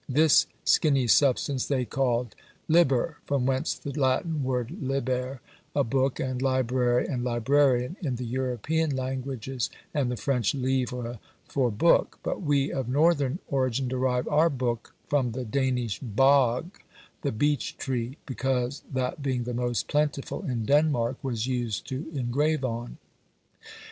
This skinny substance they called liber, from whence the Latin word liber, a book, and library and librarian in the European languages, and the French livre for book; but we of northern origin derive our book from the Danish bog, the beech tree, because that being the most plentiful in Denmark was used to engrave on.